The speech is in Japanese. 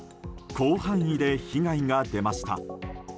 広範囲で被害が出ました。